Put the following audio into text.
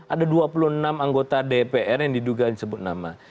ada dua puluh enam anggota dpr yang diduga disebut nama